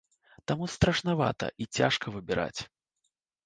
Таму страшнавата і цяжка выбіраць.